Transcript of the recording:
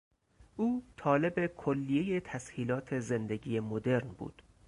او طالب کلیهی تسهیلات زندگی مدرن بود.